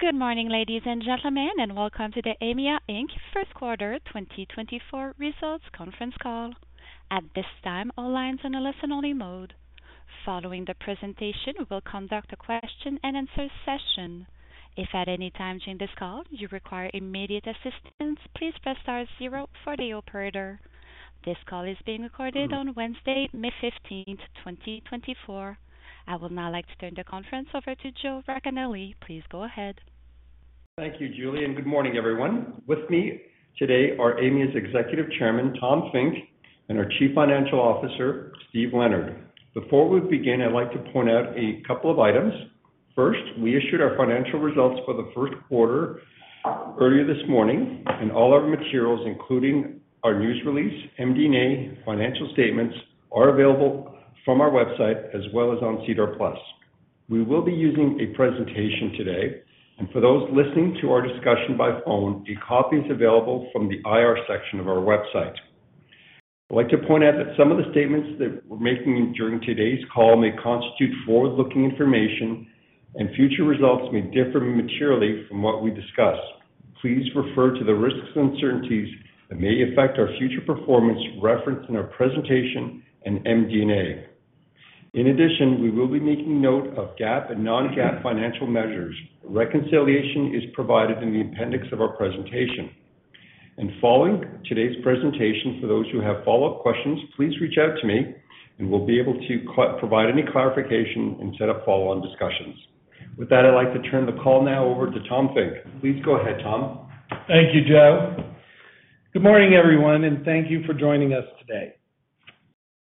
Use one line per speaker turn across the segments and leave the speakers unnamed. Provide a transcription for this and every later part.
Good morning, ladies and gentlemen, and welcome to the Aimia Inc. first quarter 2024 results conference call. At this time, all lines are on a listen-only mode. Following the presentation, we will conduct a question-and-answer session. If at any time during this call you require immediate assistance, please press star 0 for the operator. This call is being recorded on Wednesday, May 15th, 2024. I would now like to turn the conference over to Joe Racanelli. Please go ahead.
Thank you, Julie, and good morning, everyone. With me today are Aimia's Executive Chairman, Tom Finke, and our Chief Financial Officer, Steve Leonard. Before we begin, I'd like to point out a couple of items. First, we issued our financial results for the first quarter earlier this morning, and all our materials, including our news release, MD&A, financial statements, are available from our website as well as on SEDAR+. We will be using a presentation today, and for those listening to our discussion by phone, a copy is available from the IR section of our website. I'd like to point out that some of the statements that we're making during today's call may constitute forward-looking information, and future results may differ materially from what we discuss. Please refer to the risks and uncertainties that may affect our future performance referenced in our presentation and MD&A. In addition, we will be making note of GAAP and non-GAAP financial measures. Reconciliation is provided in the appendix of our presentation. Following today's presentation, for those who have follow-up questions, please reach out to me, and we'll be able to provide any clarification and set up follow-on discussions. With that, I'd like to turn the call now over to Tom Finke. Please go ahead, Tom.
Thank you, Joe. Good morning, everyone, and thank you for joining us today.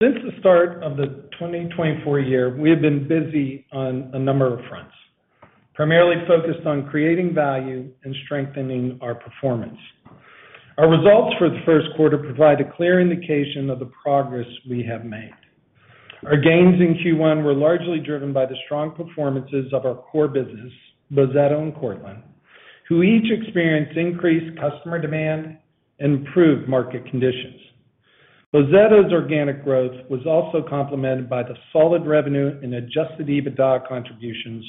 Since the start of the 2024 year, we have been busy on a number of fronts, primarily focused on creating value and strengthening our performance. Our results for the first quarter provide a clear indication of the progress we have made. Our gains in Q1 were largely driven by the strong performances of our core business, Bozzetto and Cortland, who each experienced increased customer demand and improved market conditions. Bozzetto's organic growth was also complemented by the solid revenue and adjusted EBITDA contributions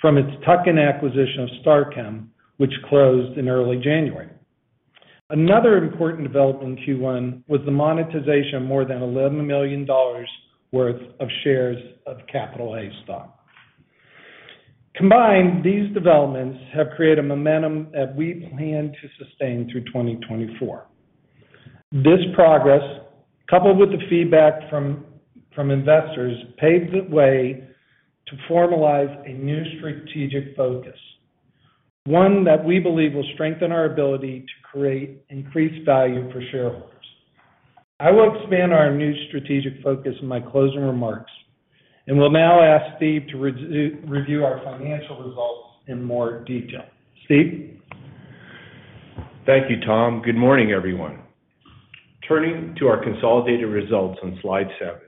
from its tuck-in acquisition of StarChem, which closed in early January. Another important development in Q1 was the monetization of more than $11 million worth of shares of Capital A stock. Combined, these developments have created a momentum that we plan to sustain through 2024. This progress, coupled with the feedback from investors, paved the way to formalize a new strategic focus, one that we believe will strengthen our ability to create increased value for shareholders. I will expand our new strategic focus in my closing remarks, and we'll now ask Steve to review our financial results in more detail. Steve?
Thank you, Tom. Good morning, everyone. Turning to our consolidated results on slide 7.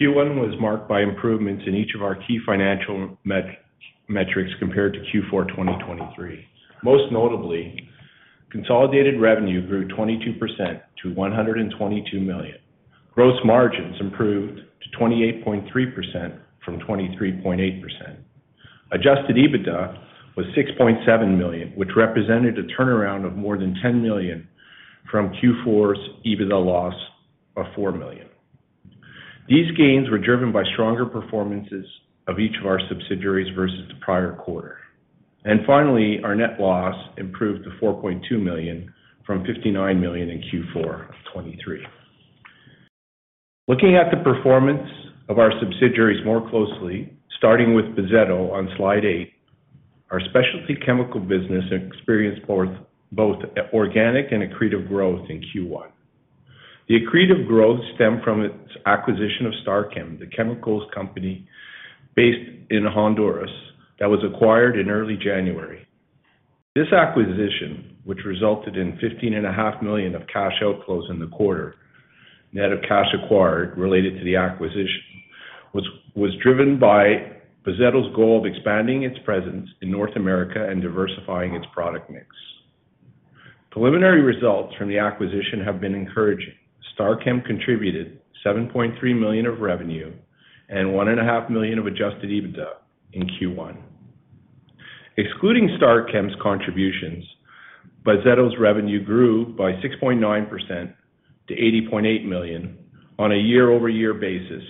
Q1 was marked by improvements in each of our key financial metrics compared to Q4 2023. Most notably, consolidated revenue grew 22% to 122 million. Gross margins improved to 28.3% from 23.8%. Adjusted EBITDA was 6.7 million, which represented a turnaround of more than 10 million from Q4's EBITDA loss of 4 million. These gains were driven by stronger performances of each of our subsidiaries versus the prior quarter. Finally, our net loss improved to 4.2 million from 59 million in Q4 of 2023. Looking at the performance of our subsidiaries more closely, starting with Bozzetto on slide 8, our specialty chemical business experienced both organic and accretive growth in Q1. The accretive growth stemmed from its acquisition of Starchem, the chemicals company based in Honduras that was acquired in early January. This acquisition, which resulted in $15.5 million of cash outflows in the quarter, net of cash acquired related to the acquisition, was driven by Bozzetto's goal of expanding its presence in North America and diversifying its product mix. Preliminary results from the acquisition have been encouraging. Starchem contributed $7.3 million of revenue and $1.5 million of Adjusted EBITDA in Q1. Excluding Starchem's contributions, Bozzetto's revenue grew by 6.9% to $80.8 million on a year-over-year basis,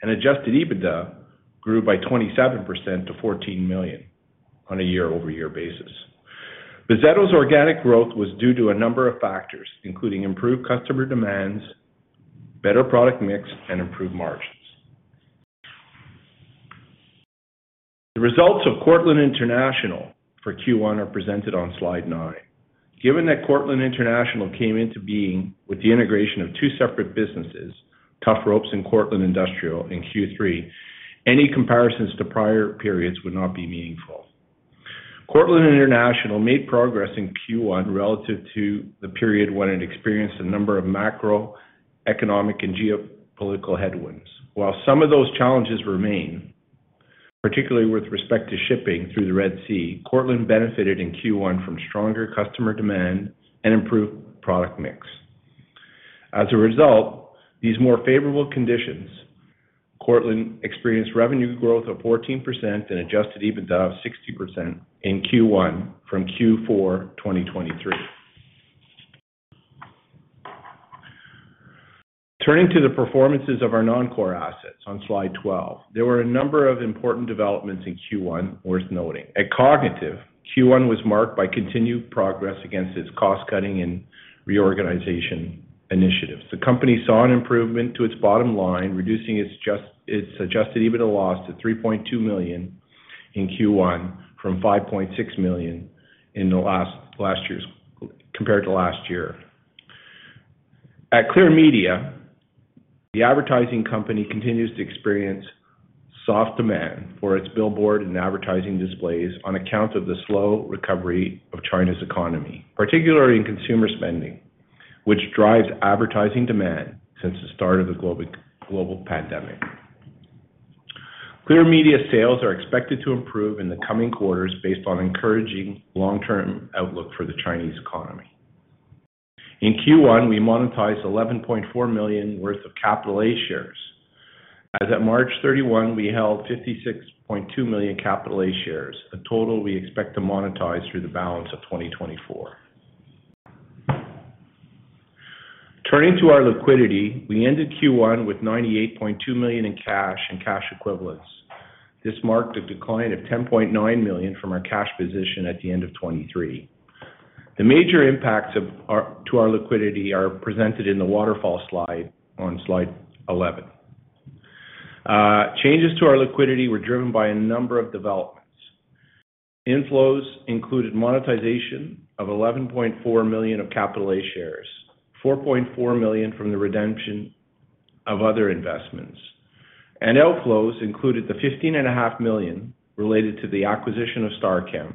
and Adjusted EBITDA grew by 27% to $14 million on a year-over-year basis. Bozzetto's organic growth was due to a number of factors, including improved customer demands, better product mix, and improved margins. The results of Cortland International for Q1 are presented on slide 9. Given that Cortland International came into being with the integration of two separate businesses, Tufropes and Cortland Industrial, in Q3, any comparisons to prior periods would not be meaningful. Cortland International made progress in Q1 relative to the period when it experienced a number of macroeconomic and geopolitical headwinds. While some of those challenges remain, particularly with respect to shipping through the Red Sea, Cortland benefited in Q1 from stronger customer demand and improved product mix. As a result, these more favorable conditions, Cortland experienced revenue growth of 14% and Adjusted EBITDA of 60% in Q1 from Q4 2023. Turning to the performances of our non-core assets on slide 12, there were a number of important developments in Q1 worth noting. At Kognitiv, Q1 was marked by continued progress against its cost-cutting and reorganization initiatives. The company saw an improvement to its bottom line, reducing its adjusted EBITDA loss to $3.2 million in Q1 from $5.6 million compared to last year. At Clear Media, the advertising company continues to experience soft demand for its billboard and advertising displays on account of the slow recovery of China's economy, particularly in consumer spending, which drives advertising demand since the start of the global pandemic. Clear Media sales are expected to improve in the coming quarters based on encouraging long-term outlook for the Chinese economy. In Q1, we monetized $11.4 million worth of Capital A shares. As of March 31, we held 56.2 million Capital A shares, a total we expect to monetize through the balance of 2024. Turning to our liquidity, we ended Q1 with $98.2 million in cash and cash equivalents. This marked a decline of $10.9 million from our cash position at the end of 2023. The major impacts to our liquidity are presented in the waterfall slide on slide 11. Changes to our liquidity were driven by a number of developments. Inflows included monetization of $11.4 million of Capital A shares, $4.4 million from the redemption of other investments, and outflows included the $15.5 million related to the acquisition of Starchem,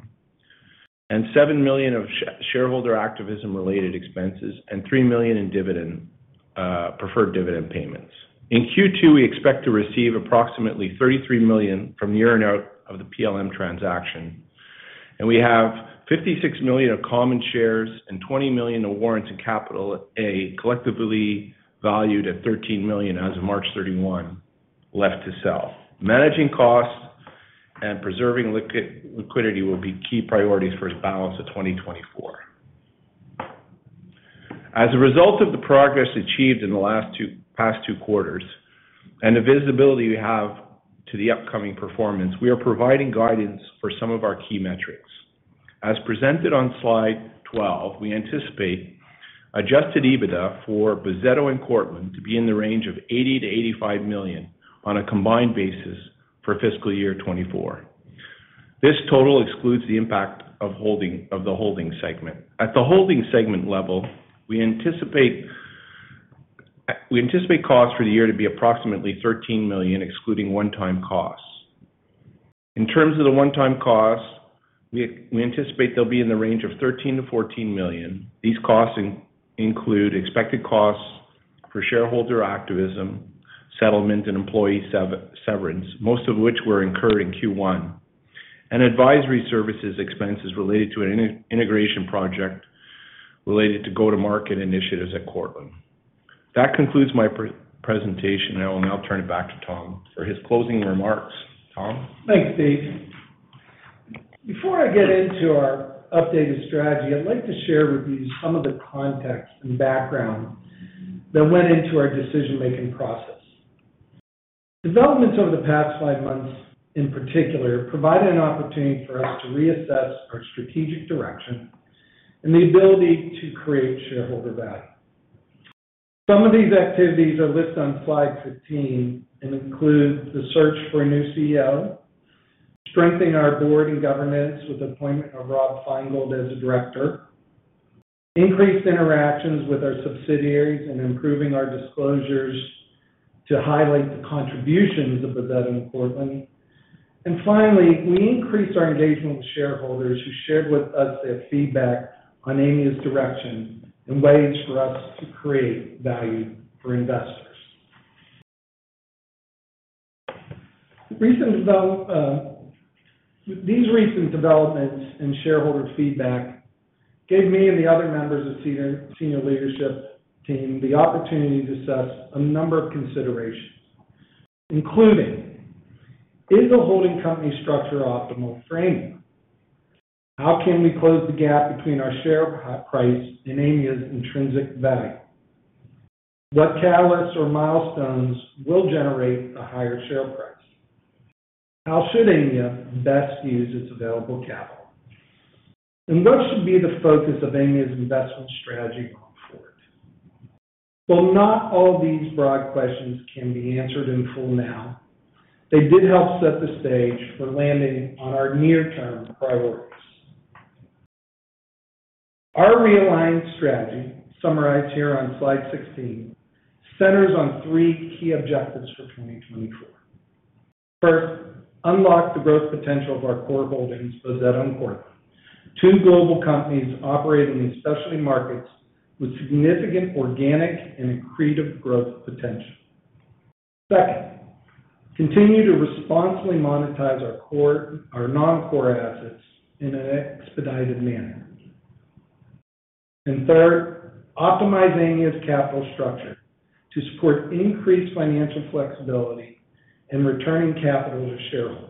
and $7 million of shareholder activism-related expenses, and $3 million in preferred dividend payments. In Q2, we expect to receive approximately $33 million from the year-end earnout of the PLM transaction, and we have 56 million of common shares and 20 million of warrants in Capital A collectively valued at $13 million as of March 31 left to sell. Managing costs and preserving liquidity will be key priorities for the balance of 2024. As a result of the progress achieved in the past two quarters and the visibility we have to the upcoming performance, we are providing guidance for some of our key metrics. As presented on slide 12, we anticipate Adjusted EBITDA for Bozzetto and Cortland to be in the range of 80-85 million on a combined basis for fiscal year 2024. This total excludes the impact of the holding segment. At the holding segment level, we anticipate costs for the year to be approximately 13 million, excluding one-time costs. In terms of the one-time costs, we anticipate they'll be in the range of 13-14 million. These costs include expected costs for shareholder activism, settlement, and employee severance, most of which were incurred in Q1, and advisory services expenses related to an integration project related to go-to-market initiatives at Cortland. That concludes my presentation, and I'll now turn it back to Tom for his closing remarks. Tom?
Thanks, Steve. Before I get into our updated strategy, I'd like to share with you some of the context and background that went into our decision-making process. Developments over the past five months, in particular, provided an opportunity for us to reassess our strategic direction and the ability to create shareholder value. Some of these activities are listed on slide 15 and include the search for a new CEO, strengthening our board and governance with the appointment of Rob Feingold as a director, increased interactions with our subsidiaries and improving our disclosures to highlight the contributions of Bozetto and Cortland. Finally, we increased our engagement with shareholders who shared with us their feedback on Aimia's direction and ways for us to create value for investors. These recent developments and shareholder feedback gave me and the other members of senior leadership team the opportunity to assess a number of considerations, including: is the holding company structure optimal framing? How can we close the gap between our share price and Aimia's intrinsic value? What catalysts or milestones will generate a higher share price? How should Aimia best use its available capital? And what should be the focus of Aimia's investment strategy going forward? Well, not all of these broad questions can be answered in full now. They did help set the stage for landing on our near-term priorities. Our realigned strategy, summarized here on slide 16, centers on three key objectives for 2024. First, unlock the growth potential of our core holdings, Bozzetto and Cortland, two global companies operating in specialty markets with significant organic and accretive growth potential. Second, continue to responsibly monetize our non-core assets in an expedited manner. Third, optimize Aimia's capital structure to support increased financial flexibility and returning capital to shareholders.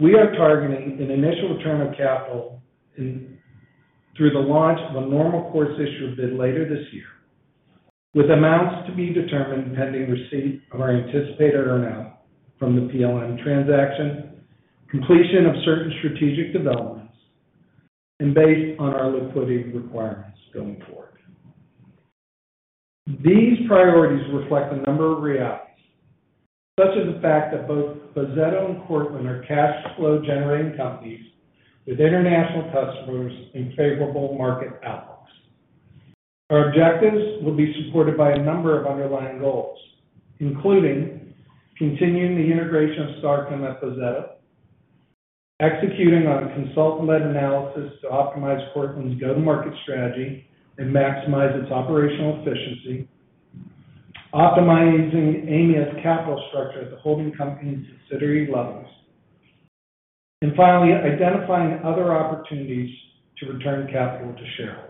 We are targeting an initial return of capital through the launch of a normal course issuer bid later this year, with amounts to be determined pending receipt of our anticipated earnout from the PLM transaction, completion of certain strategic developments, and based on our liquidity requirements going forward. These priorities reflect a number of realities, such as the fact that both Bozzetto and Cortland are cash flow-generating companies with international customers and favorable market outlooks. Our objectives will be supported by a number of underlying goals, including continuing the integration of Starchem at Bozetto, executing on consultant-led analysis to optimize Cortland's go-to-market strategy and maximize its operational efficiency, optimizing Aimia's capital structure at the holding company's subsidiary levels, and finally, identifying other opportunities to return capital to shareholders.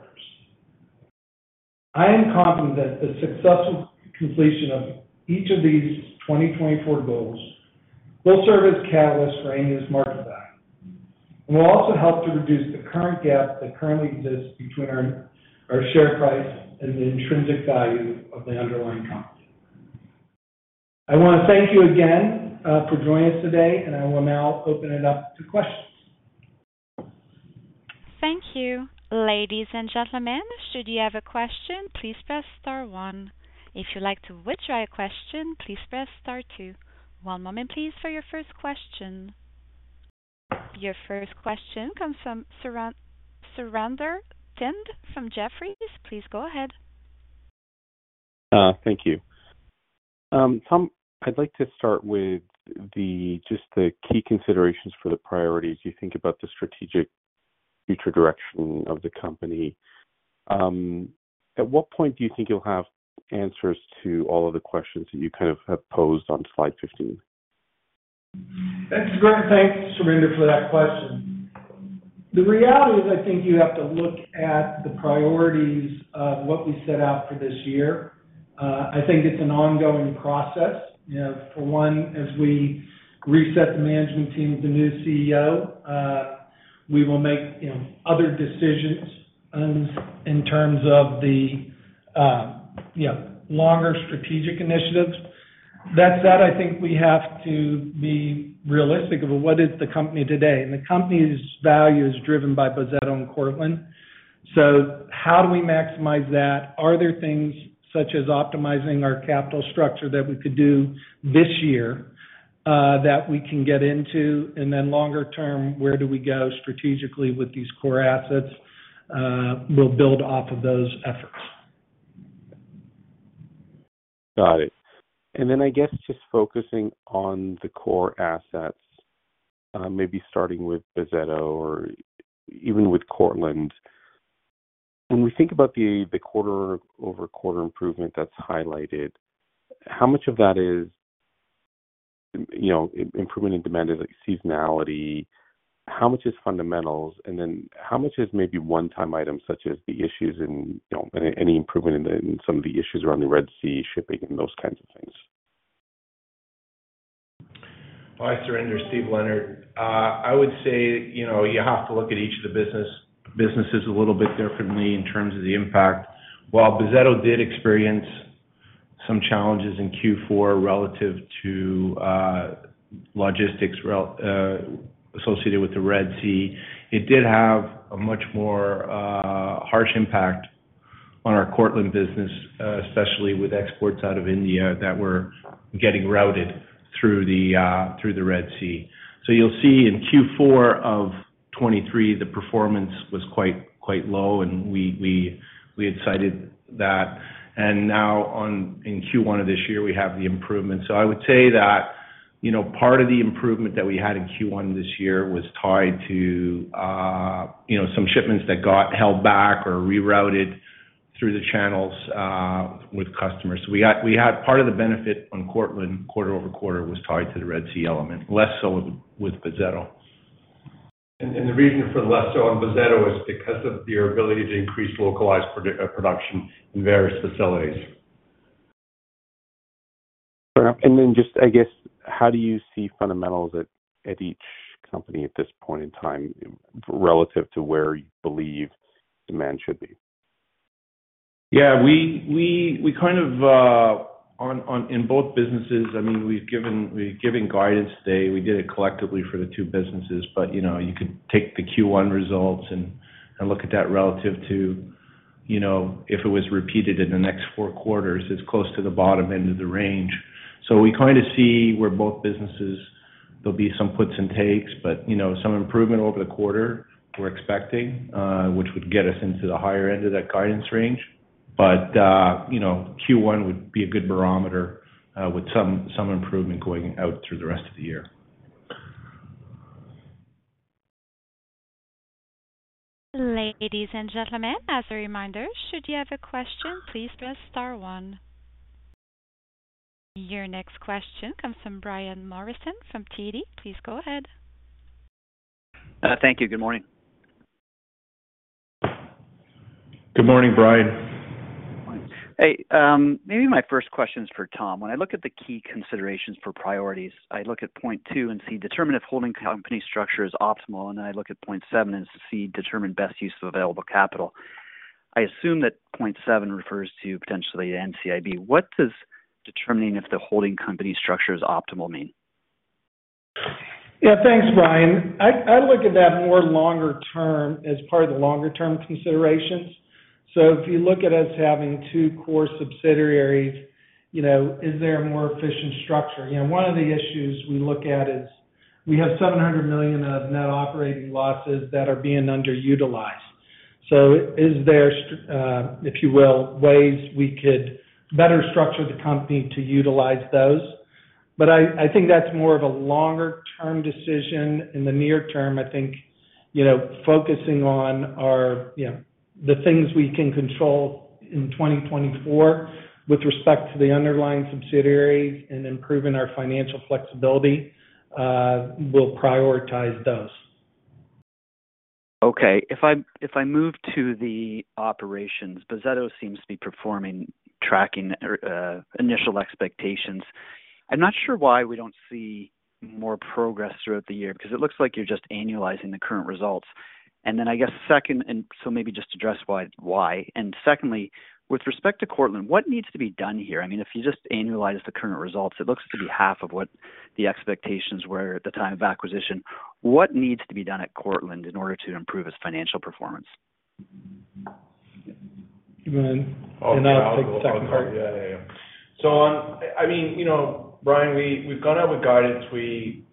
I am confident that the successful completion of each of these 2024 goals will serve as catalysts for Aimia's market value and will also help to reduce the current gap that currently exists between our share price and the intrinsic value of the underlying company. I want to thank you again for joining us today, and I will now open it up to questions.
Thank you, ladies and gentlemen. Should you have a question, please press star 1. If you'd like to withdraw your question, please press star 2. One moment, please, for your first question. Your first question comes from Surinder Thind from Jefferies. Please go ahead.
Thank you. Tom, I'd like to start with just the key considerations for the priorities as you think about the strategic future direction of the company. At what point do you think you'll have answers to all of the questions that you kind of have posed on slide 15?
That's a great thanks, Surinder, for that question. The reality is, I think you have to look at the priorities of what we set out for this year. I think it's an ongoing process. For one, as we reset the management team with the new CEO, we will make other decisions in terms of the longer strategic initiatives. That said, I think we have to be realistic about what is the company today. The company's value is driven by Bozetto and Cortland. How do we maximize that? Are there things such as optimizing our capital structure that we could do this year that we can get into? Longer term, where do we go strategically with these core assets? We'll build off of those efforts.
Got it. And then I guess just focusing on the core assets, maybe starting with Bozzetto or even with Cortland, when we think about the quarter-over-quarter improvement that's highlighted, how much of that is improvement in demand and seasonality? How much is fundamentals? And then how much is maybe one-time items such as the issues and any improvement in some of the issues around the Red Sea, shipping, and those kinds of things?
Hi, Surinder. Steve Leonard. I would say you have to look at each of the businesses a little bit differently in terms of the impact. While Bozetto did experience some challenges in Q4 relative to logistics associated with the Red Sea, it did have a much more harsh impact on our Cortland business, especially with exports out of India that were getting routed through the Red Sea. So you'll see in Q4 of 2023, the performance was quite low, and we had cited that. And now in Q1 of this year, we have the improvements. So I would say that part of the improvement that we had in Q1 this year was tied to some shipments that got held back or rerouted through the channels with customers. So we had part of the benefit on Cortland, quarter-over-quarter, was tied to the Red Sea element, less so with Bozetto. The reason for less so on Bozzetto is because of your ability to increase localized production in various facilities.
Fair enough. And then just, I guess, how do you see fundamentals at each company at this point in time relative to where you believe demand should be?
Yeah. In both businesses, I mean, we're giving guidance today. We did it collectively for the two businesses. But you could take the Q1 results and look at that relative to if it was repeated in the next four quarters. It's close to the bottom end of the range. So we kind of see where both businesses there'll be some puts and takes, but some improvement over the quarter, we're expecting, which would get us into the higher end of that guidance range. But Q1 would be a good barometer with some improvement going out through the rest of the year.
Ladies and gentlemen, as a reminder, should you have a question, please press star 1. Your next question comes from Brian Morrison from TD. Please go ahead.
Thank you. Good morning.
Good morning, Brian.
Hey. Maybe my first question is for Tom. When I look at the key considerations for priorities, I look at point 2 and see determine if holding company structure is optimal, and then I look at point 7 and see determine best use of available capital. I assume that point 7 refers to potentially NCIB. What does determining if the holding company structure is optimal mean?
Yeah. Thanks, Brian. I look at that more longer term as part of the longer-term considerations. So if you look at us having two core subsidiaries, is there a more efficient structure? One of the issues we look at is we have 700 million of net operating losses that are being underutilized. So is there, if you will, ways we could better structure the company to utilize those? But I think that's more of a longer-term decision. In the near term, I think focusing on the things we can control in 2024 with respect to the underlying subsidiaries and improving our financial flexibility will prioritize those.
Okay. If I move to the operations, Bozzetto seems to be performing, tracking initial expectations. I'm not sure why we don't see more progress throughout the year because it looks like you're just annualizing the current results. And then I guess, so maybe just address why. And secondly, with respect to Cortland, what needs to be done here? I mean, if you just annualize the current results, it looks to be half of what the expectations were at the time of acquisition. What needs to be done at Cortland in order to improve its financial performance?
You go ahead.
Oh, sorry. I'll take a second part.
Yeah, yeah, yeah. So I mean, Brian, we've gone out with guidance. We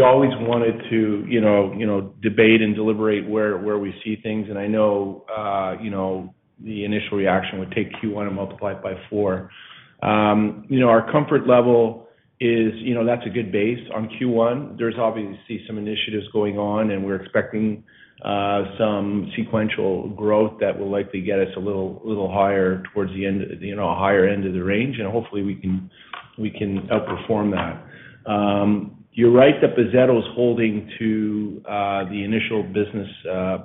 always wanted to debate and deliberate where we see things. And I know the initial reaction would take Q1 and multiply it by 4. Our comfort level is that's a good base on Q1. There's obviously some initiatives going on, and we're expecting some sequential growth that will likely get us a little higher towards the end, a higher end of the range. And hopefully, we can outperform that. You're right that Bozzetto is holding to the initial business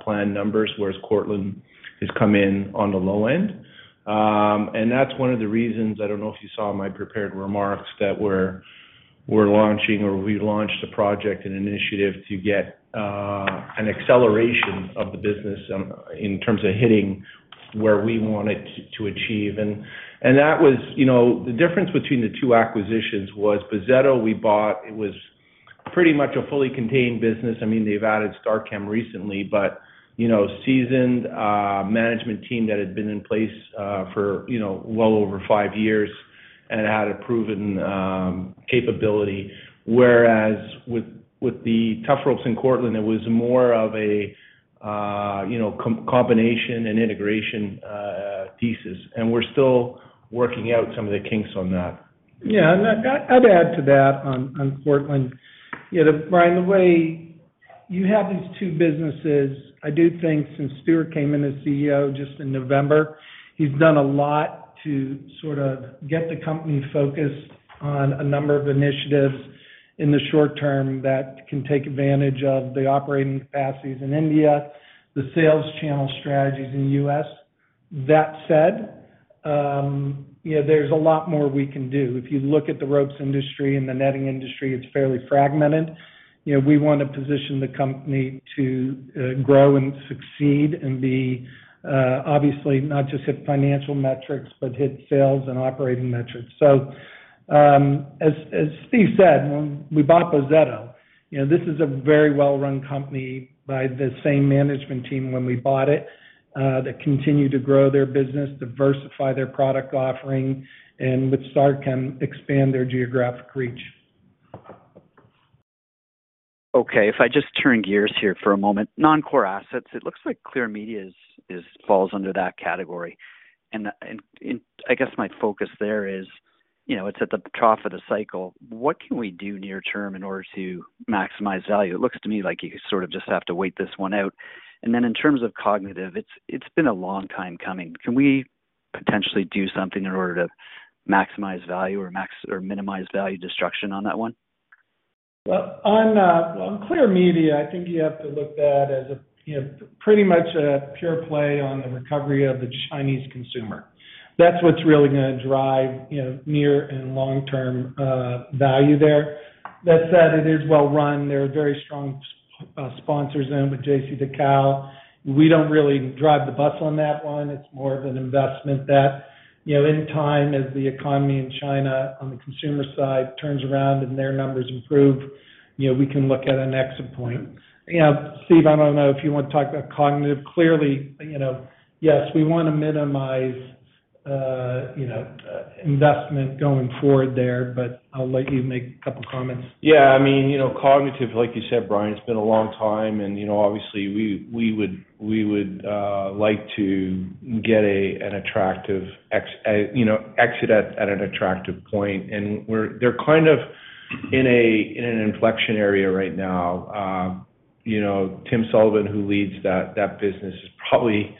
plan numbers, whereas Cortland has come in on the low end. And that's one of the reasons I don't know if you saw in my prepared remarks that we're launching or we launched a project and initiative to get an acceleration of the business in terms of hitting where we wanted to achieve. The difference between the two acquisitions was Bozetto we bought. It was pretty much a fully contained business. I mean, they've added Starchem recently, but seasoned management team that had been in place for well over five years and had a proven capability. Whereas with the Tufropes and Cortland, it was more of a combination and integration thesis. We're still working out some of the kinks on that.
Yeah. And I'd add to that on Cortland. Brian, the way you have these two businesses, I do think since Stuart came in as CEO just in November, he's done a lot to sort of get the company focused on a number of initiatives in the short term that can take advantage of the operating capacities in India, the sales channel strategies in the US. That said, there's a lot more we can do. If you look at the ropes industry and the netting industry, it's fairly fragmented. We want to position the company to grow and succeed and be obviously not just hit financial metrics but hit sales and operating metrics. As Steve said, when we bought Bozzetto, this is a very well-run company by the same management team when we bought it that continue to grow their business, diversify their product offering, and with Starchem, expand their geographic reach.
Okay. If I just turn gears here for a moment, non-core assets, it looks like Clear Media falls under that category. And I guess my focus there is it's at the trough of the cycle. What can we do near-term in order to maximize value? It looks to me like you sort of just have to wait this one out. And then in terms of Kognitiv, it's been a long time coming. Can we potentially do something in order to maximize value or minimize value destruction on that one?
Well, on Clear Media, I think you have to look at that as pretty much a pure play on the recovery of the Chinese consumer. That's what's really going to drive near and long-term value there. That said, it is well-run. There are very strong sponsors in it with JCDecaux. We don't really drive the bustle on that one. It's more of an investment that in time, as the economy in China on the consumer side turns around and their numbers improve, we can look at an exit point. Steve, I don't know if you want to talk about Kognitiv. Clearly, yes, we want to minimize investment going forward there, but I'll let you make a couple of comments.
Yeah. I mean, Kognitiv, like you said, Brian, it's been a long time. And obviously, we would like to get an attractive exit at an attractive point. And they're kind of in an inflection area right now. Tim Sullivan, who leads that business, has probably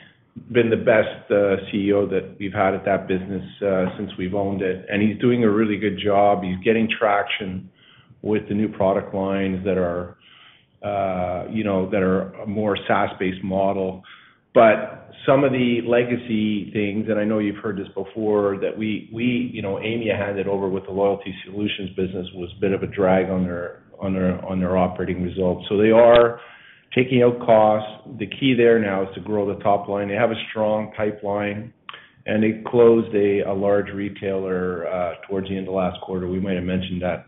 been the best CEO that we've had at that business since we've owned it. And he's doing a really good job. He's getting traction with the new product lines that are a more SaaS-based model. But some of the legacy things, and I know you've heard this before, that Aimia handed over with the loyalty solutions business was a bit of a drag on their operating results. So they are taking out costs. The key there now is to grow the top line. They have a strong pipeline. And they closed a large retailer towards the end of last quarter. We might have mentioned that,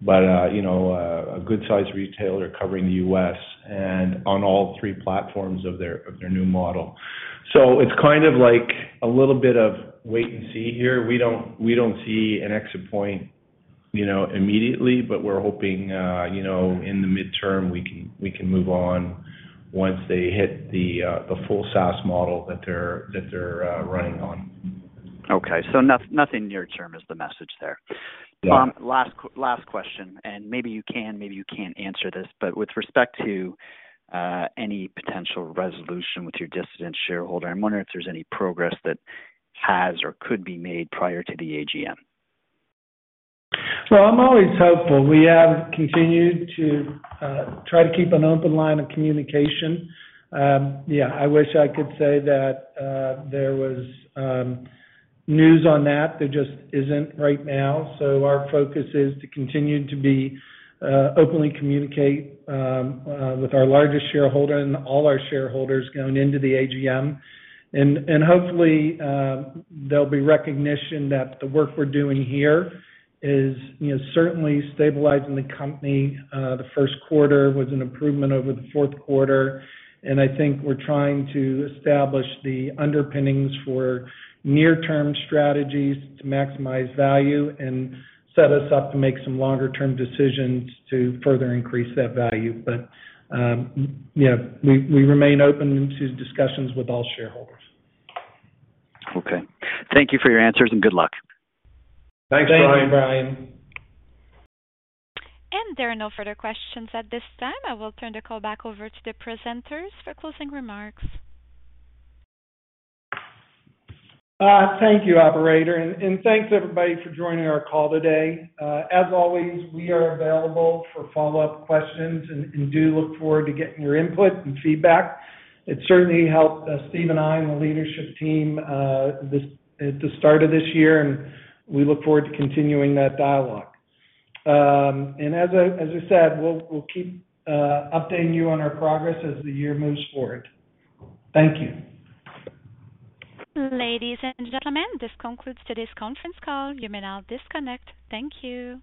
but a good-sized retailer covering the U.S. and on all three platforms of their new model. So it's kind of like a little bit of wait and see here. We don't see an exit point immediately, but we're hoping in the midterm, we can move on once they hit the full SaaS model that they're running on.
Okay. So nothing near-term is the message there. Tom, last question. And maybe you can, maybe you can't answer this, but with respect to any potential resolution with your dissident shareholder, I'm wondering if there's any progress that has or could be made prior to the AGM.
Well, I'm always helpful. We have continued to try to keep an open line of communication. Yeah. I wish I could say that there was news on that. There just isn't right now. So our focus is to continue to openly communicate with our largest shareholder and all our shareholders going into the AGM. And hopefully, there'll be recognition that the work we're doing here is certainly stabilizing the company. The first quarter was an improvement over the fourth quarter. And I think we're trying to establish the underpinnings for near-term strategies to maximize value and set us up to make some longer-term decisions to further increase that value. But we remain open to discussions with all shareholders.
Okay. Thank you for your answers, and good luck.
Thanks, Brian.
Thank you, Brian.
There are no further questions at this time. I will turn the call back over to the presenters for closing remarks.
Thank you, operator. Thanks, everybody, for joining our call today. As always, we are available for follow-up questions and do look forward to getting your input and feedback. It certainly helped Steve and I and the leadership team at the start of this year. We look forward to continuing that dialogue. As I said, we'll keep updating you on our progress as the year moves forward. Thank you.
Ladies and gentlemen, this concludes today's conference call. You may now disconnect. Thank you.